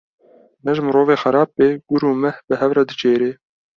Ne ji mirovê xerab be, gur û mih bi hev re diçêre.